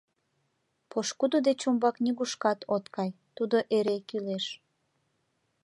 Пошкудо деч умбак нигушкат от кай, тудо эре кӱлеш.